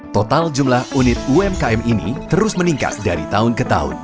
total jumlah unit umkm ini terus meningkat dari tahun ke tahun